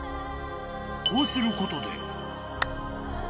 ［こうすることで］